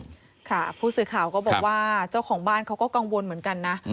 ค่ะผู้สื่อข่าวก็บอกว่าเจ้าของบ้านเขาก็กังวลเหมือนกันนะ